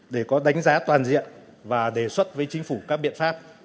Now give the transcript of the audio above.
để có đánh giá toàn diện và đề xuất với chính phủ các biện pháp